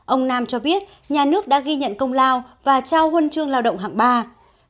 ông nam cho biết nhà nước đã ghi nhận công lao và trao huân chương lao động hạng ba